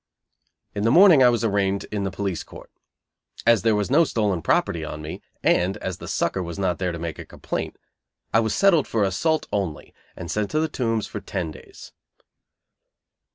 In the morning I was arraigned in the police court. As there was no stolen property on me, and as the sucker was not there to make a complaint, I was "settled" for assault only, and sent to the Tombs for ten days.